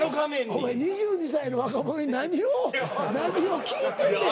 お前２２歳の若者に何を何を聞いてんねん。